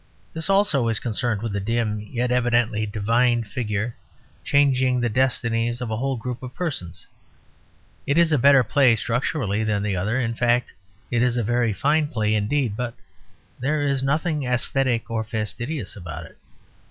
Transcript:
This also is concerned with a dim, yet evidently divine, figure changing the destinies of a whole group of persons. It is a better play structurally than the other; in fact, it is a very fine play indeed; but there is nothing aesthetic or fastidious about it.